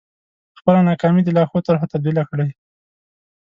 خپله ناکامي د لا ښو طرحو تبديله کړئ.